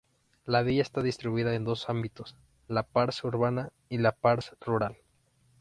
La villa está distribuida en dos ámbitos: la pars urbana y la pars rural.